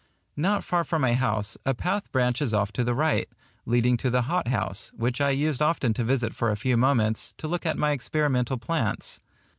Not far from my house a path branches off to the right, leading to the hot house, which I used often to visit for a few moments, to look at my experimental plants.